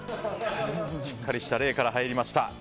しっかりした礼から入りました。